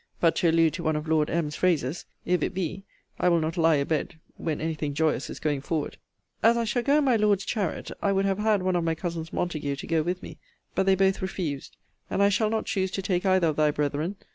But, to allude to one of Lord M.'s phrases, if it be, I will not lie a bed when any thing joyous is going forward. As I shall go in my Lord's chariot, I would have had one of my cousins Montague to go with me: but they both refused: and I shall not choose to take either of thy brethren.